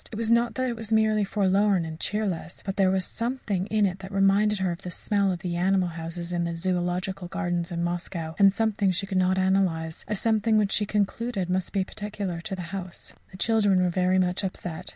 It was not that it was merely forlorn and cheerless, but there was a something in it that reminded her of the smell of the animal houses in the Zoological Gardens in Moscow, and a something she could not analyse a something which she concluded must be peculiar to the house. The children were very much upset.